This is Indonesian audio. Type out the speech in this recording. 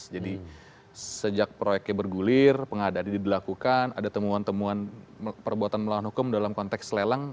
jadi sejak proyeknya bergulir pengadaan didelakukan ada temuan temuan perbuatan melawan hukum dalam konteks lelang